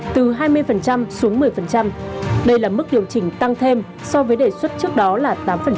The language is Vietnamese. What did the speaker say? từ hai mươi xuống một mươi đây là mức điều chỉnh tăng thêm so với đề xuất trước đó là tám